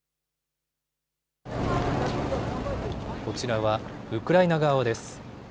こちらはウクライナ側です。